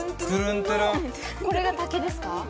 これが竹ですか？